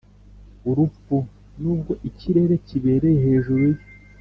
“urupfu!” - nubwo ikirere kibereye hejuru ye.